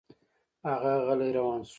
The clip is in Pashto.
هغه غلی روان شو.